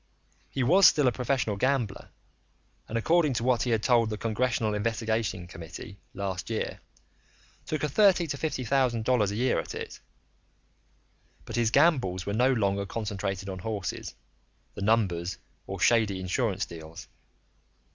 He was still a professional gambler, and according to what he had told the Congressional Investigating Committee last year, took in thirty to fifty thousand dollars a year at it, but his gambles were no longer concentrated on horses, the numbers, or shady insurance deals.